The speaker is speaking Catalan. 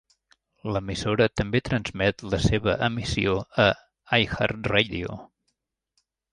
L'emissora també transmet la seva emissió a iHeartRadio.